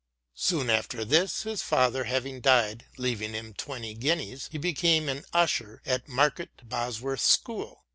Soon after this, his father having died leaving him twenty guineas, he became an usher at Market Bosworth School.